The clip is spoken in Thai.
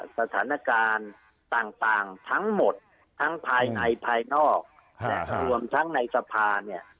สถานการณ์ต่างทั้งหมดทั้งภายในภายนอกและรวมทั้งในสภาเนี่ย